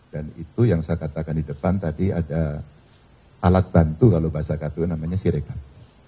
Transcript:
dan itu yang saya katakan di depan tadi ada alat bantu kalau bahasa katu namanya siregap